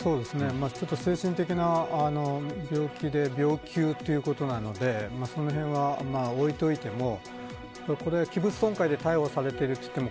精神的な病気で病休ということなのでそのへんは置いておいても器物損壊で逮捕されるといっても